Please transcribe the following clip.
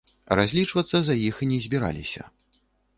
Разлічвацца за іх не збіраліся.